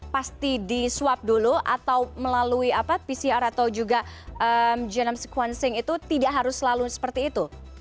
pasti di swab dulu atau melalui pcr atau juga genome sequencing itu tidak harus selalu seperti itu